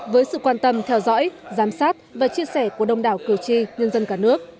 với sự quan tâm theo dõi giám sát và chia sẻ của đông đảo cử tri nhân dân cả nước